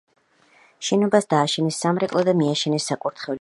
შენობას დააშენეს სამრეკლო და მიაშენეს საკურთხევლის მხარე.